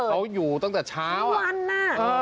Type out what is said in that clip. แต่เขาอยู่ตั้งแต่เช้าทั้งวันน่ะ